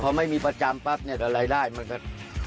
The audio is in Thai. เพราะไม่มีประจำปั๊บแต่รายได้มันก็